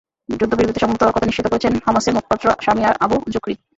যুদ্ধবিরতিতে সম্মত হওয়ার কথা নিশ্চিত করেছেন হামাসের মুখপাত্র সামি আবু জুখরি।